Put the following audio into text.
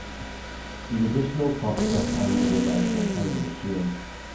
The additional plot stuff and the romance are kind of a shame.